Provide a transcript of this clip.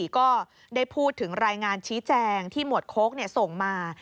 ก็ได้พูดถึงรายงานชี้แจงที่หมวดโค้กส่งมา